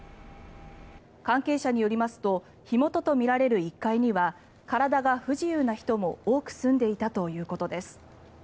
関係者によりますと火元とみられる１階には体が不自由な人も多く住んでいたということです。